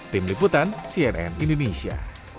tim liputan cnn indonesia